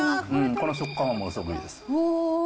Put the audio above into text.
この食感はものすごくいいです。